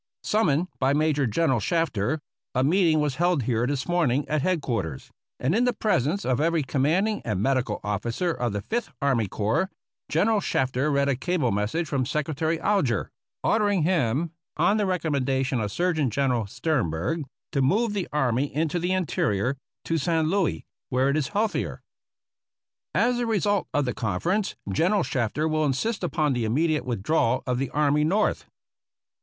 — Summoned by Major General Shafter, a meeting was held here this morning at head quarters, and in the presence of every commanding and medical officer of the Fifth Army Corps, General Shafter read a cable message from Secretary Alger, ordering him, on the recommenda tion of Surgeon General Sternberg, to move the army into the interior, to San Luis, where it is healthier. As a result of the conference General Shafter will insist upon the immediate withdrawal of the army North.